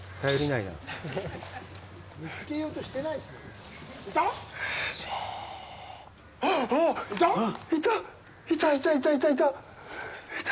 いた！